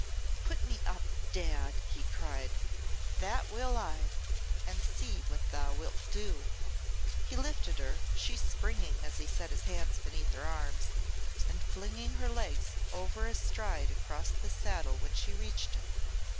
"Put me up, Dad!" he cried. "That will I and see what thou wilt do." He lifted her, she springing as he set his hands beneath her arms, and flinging her legs over astride across the saddle when she reached it.